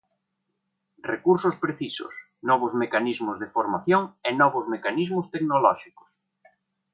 Recursos precisos, novos mecanismos de formación e novos mecanismos tecnolóxicos.